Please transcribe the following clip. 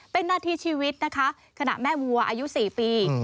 เป็นหน้าที่ชีวิตนะคะขณะแม่วัวอายุ๔ปี